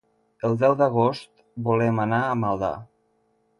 El deu d'agost volem anar a Maldà.